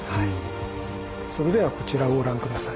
それではこちらをご覧下さい。